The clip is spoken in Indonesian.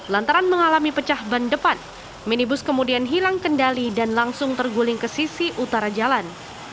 lantaran mengalami pecah ban depan minibus kemudian hilang kendali dan langsung terguling ke sisi utara jalan